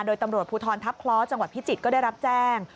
โดยตำรวจภูทรทัพคล้อจังหวัดพิจิตรก็ได้รับแจ้ง